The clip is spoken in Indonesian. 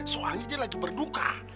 soalnya dia lagi berduka